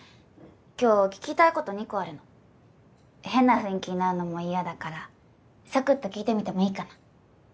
今日聞きたいこと２個あるの変な雰囲気になるのも嫌だからサクッと聞いてみてもいいかな？